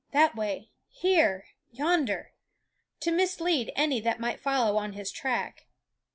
that way! here! yonder!_ to mislead any that might follow on his track.